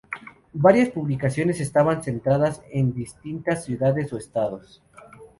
Varias publicaciones estaban centradas en distintas ciudades o estados.